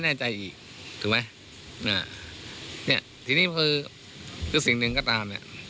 แน่ใจอีกถูกไหมอ่าเนี้ยทีนี้คือคือสิ่งหนึ่งก็ตามเนี้ย